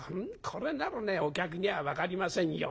これならお客には分かりませんよ。